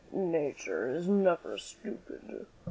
"Nature is never stupid."